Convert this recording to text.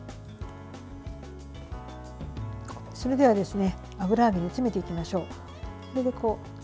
それでは、油揚げに詰めていきましょう。